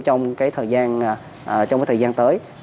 trong thời gian tới